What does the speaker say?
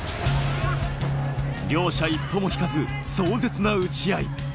両者一歩も引かず、壮絶な打ち合い。